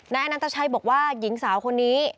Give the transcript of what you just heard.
นายอันนัตชายบอกว่าหญิงสาวคนนี้